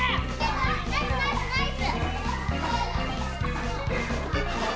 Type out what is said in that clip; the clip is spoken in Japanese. ナイスナイスナイス！